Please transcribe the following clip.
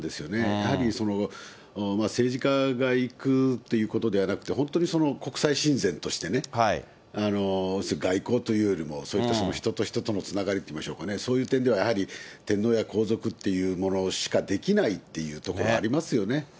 やはり政治家が行くということではなくて、本当に国際親善としてね、外交というよりも、そういった人と人とのつながりといいましょうかね、そういう点ではやはり、天皇や皇族というものしかできないっていうところがありますよね。